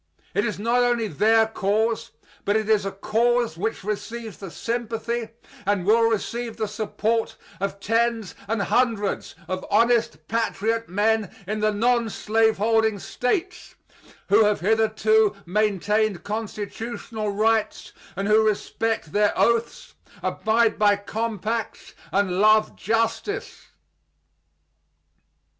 " It is not only their cause, but it is a cause which receives the sympathy and will receive the support of tens and hundreds of honest patriot men in the nonslaveholding States, who have hitherto maintained constitutional rights, and who respect their oaths, abide by compacts, and love justice.